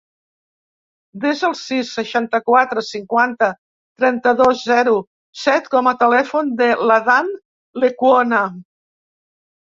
Desa el sis, seixanta-quatre, cinquanta, trenta-dos, zero, set com a telèfon de l'Adán Lecuona.